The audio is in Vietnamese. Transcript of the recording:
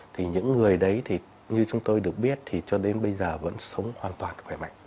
thì những người đấy thì như chúng tôi được biết thì cho đến bây giờ vẫn sống hoàn toàn khỏe mạnh